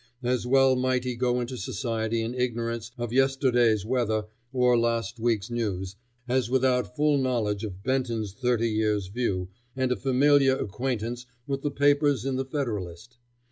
As well might he go into society in ignorance of yesterday's weather or last week's news, as without full knowledge of Benton's Thirty Years' View, and a familiar acquaintance with the papers in the Federalist.